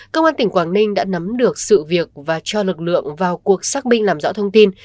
công an tỉnh quảng ninh đã nắm được sự việc và cho lực lượng vào cuộc xác minh làm rõ thông tin